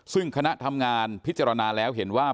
ซึ่งคณะทำงานพิจารณาแล้วเห็นว่า